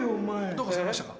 どうかされましたか？